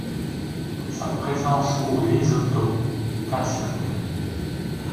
Sa présence au Lesotho est incertaine.